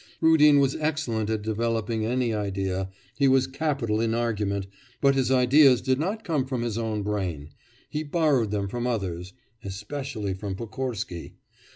Rudin was excellent at developing any idea, he was capital in argument, but his ideas did not come from his own brain; he borrowed them from others, especially from Pokorsky.